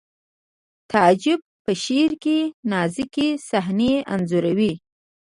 تعجب په شعر کې نازکې صحنې انځوروي